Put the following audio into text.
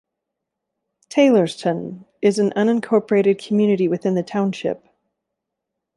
Taylorstown is an unincorporated community within the township.